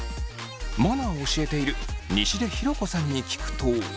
マナーを教えている西出ひろ子さんに聞くと。